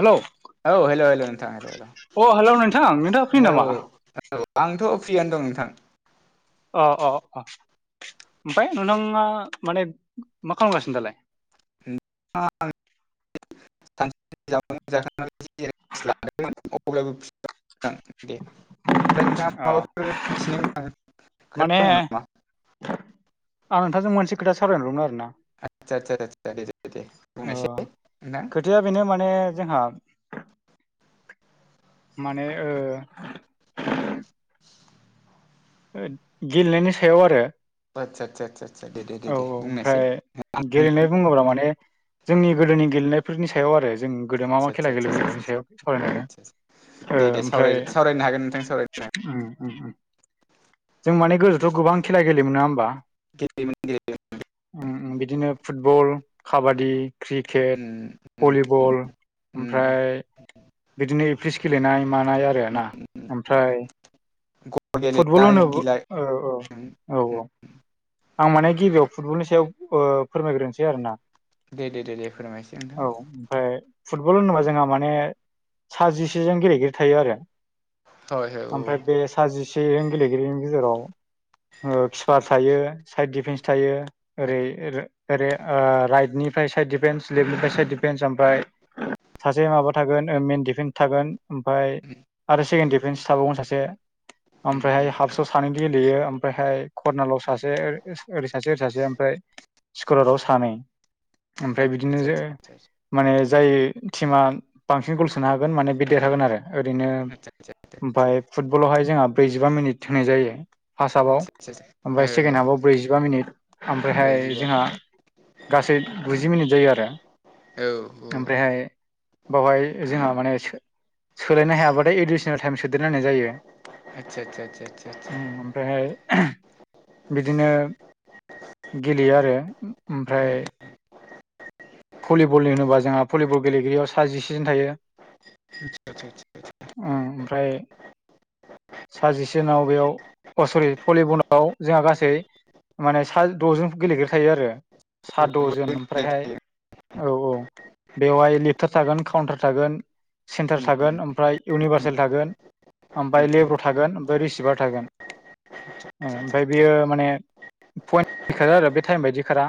Hello औ हेल' हेल' नोंथां हेल अ हेलौ नोंथां नोंथाङा फ्रि हेल' नामा औ। औ आंथ' फ्रियानो दं नोंथां। अ अ अ। ओमफाय नोंथांआ माने मा खामगासिनो दालाय। [inaudible] [inaudible] नोंथां दे ओमफ्राय नोंथाङा माबाफोर अ मिथिनो गोनां खोथा माने दङ नामा? आं नोंथांजों मोनसे खोथा सावरायनो लागौमोन आरोना। आदसा आदसा आदसा दे दे दे बुंनायसाय अ' नोंथां खोथाया बेनो माने जोंहा माने ओ ओ गेलेनायनि सायाव आरो औ आदसा आदसा आदसा आदसा दे दे दे औ दे बुंनायसाय ओमफ्राय आदसा आदसा गेलेनाय बुङोब्ला माने जोंनि गोदोनि गेलेनायफोरनि सायाव आरो। जों गोदो मा मा खेला गेलेयोमोन आदसा बेनि आदसा सायाव सावरायनो आदसा नायदों दे दे ओ सावराय ओमफ्राय सावरायनो हागोन नोंथां सावरायनो हागोन उम उम उम। जों माने गोदोथ' गोबां खेला गेलेयोमोन नोङा होम्बा। गेलेयोमोन गेलेयोमोन उम उम बिदिनो फुटबल काबादि। क्रिकेट भलिबल उम ओमफ्राय बिदिनो गेलेनाय मानाय आरो उम ना उम उम ओमफ्राय गल फुटबल गेलेनाय होनो बो गिला उम औ औ उम औ औ। आं माने गिबियाव फुटबलनि सायाव ओ फोरमायग्रोनोसै आरो ना। दे दे दे फोरमायसै औ नोंथां ओमफाय फुटबल होनोबा जोंहा माने सा जिसे जोन गेलेगिरि थायो आरो। हय हय औ ओमफ्राय बे सा जिसे जोन गेलेगिरिनि गेजेराव ओ किपार थायो साइड डिफेन्स थायो ओरै ओरै ओ राइटनि फ्राय साइड डिफेन्स लेफ्टनिफाय साइड डिफेन्स ओमफाय सासे माबा थागोन ओ मेन डिफेन थागोन। ओमफाय उम आरो सेकेणड डिफेन्स थाबावगोन सासे ओमफ्रायहाय उम हफस' सानै गेलेयो ओम ओमफ्रायहाय कर्नालाव सासे ओ-ओ-ओरै सासे ओरै सासे ओमफ्राय स्कराराव सानै ओमफ्राय बिदिनो आदसा जो आदसा आदसा माने जाय टिमा बांसिन गल सोनो हागोन माने बे देरहागोन आरो ओरैनो आदसा आदसा ओमफाय फुटबलावहाय जोंहा ब्रैजिबा मिनिट होनाय जायो। फास हाबाव आदसा आदसा आदसा ओमफाय सेकेणड हाबाव ओ ब्रैजिबा मिनिट ओमफ्रायहाय ब्रैजिबा औ जोंहा गासै गुजि मिनिट जायो आरो। ओमफ्रायहाय बावहाय जोंहा माने सोलायनो हायाबाथाय एडुकेसनेल टाइम सोदेरनाय जायो आदसा आदसा आदसा आदसा आदसा ओमफ्रायहाय बिदिनो गेलेयो आरो ओमफ्राय [unintelligible] भलिबलनि होनोबा जोंहा भलिबल गेलेगिरियाव सा जिसेजन थायो आदसा आदसा आदसा ओमफ्राय साजिसेनाव बेयाव अ सरि भलिबलाव जोंहा गासै माने सा द'जोन गेलेग्र थायो आरो सा द'जोन ओमफ्रायहाय औ औ बेवहाय लेफटार थागोन काउन्टार थागोन सेन्टार उम उम थागोन ओमफ्राय उम आदसा इउनिभार्सेल थागोन ओमफ्राय आदसा लेब्र' थागोन ओमफ्राय रिसिभार थागोन ओमफ्राय बियो माने पइन्ट खो आरो बे टाइम बायदि खारा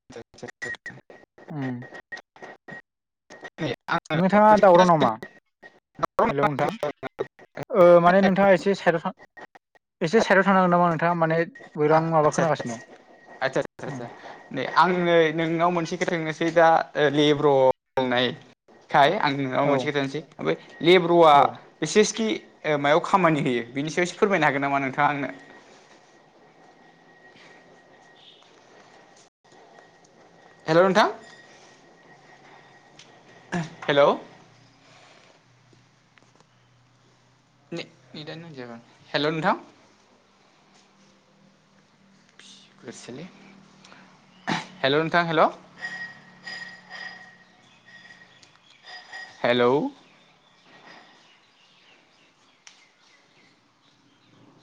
[unintelligible] उम नोंथाङा [unintelligible] दावराव नामा हेलौ नोंथां माने नोंथाङा एसे सायद' आव थां एसे साइडआव थांनांगोन नामा नोंथाङा माने बोरां माबा आदसा खोनागासिनो आदसा ओम, आदसा नै आं नै नोंनाव मोनसे खोथा दा लेब्र' होननाय खाय आं नोंनाव औ मोनसे खोथानोसै ओमफ्राय लेब्र'आ औ ओसेसखि मायाव खामानि होयो बिनि सायावसो फोरमायनो हागोन नामा नोंथाङा आंनो? हेल' नोंथां हेल' [unintelligible] हेल' नोंथां [unintelligible] हेल' नोंथां हेल' ज हेल'